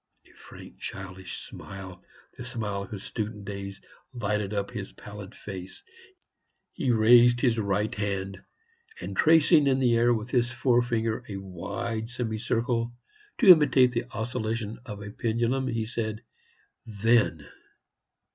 A frank childish smile the smile of his student days lighted up his pallid face. He raised his right hand, and tracing in the air with his forefinger a wide semicircle, to imitate the oscillation of a pendulum, he said, "Then."